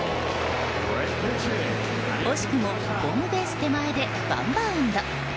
惜しくも、ホームベース手前でワンバウンド。